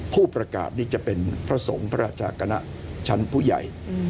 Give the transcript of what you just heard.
ผู้ประกาศนี่จะเป็นพระสงฆ์พระราชาคณะชั้นผู้ใหญ่